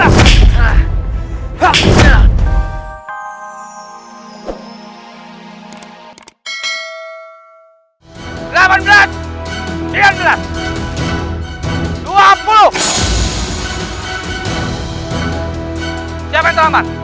siapa yang terlambat